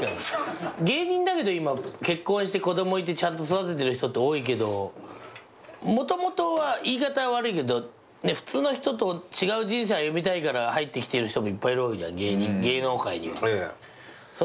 芸人だけど今結婚して子供いてちゃんと育ててる人って多いけどもともとは言い方悪いけど普通の人と違う人生歩みたいから入ってきてる人もいっぱいいるわけじゃん芸能界には。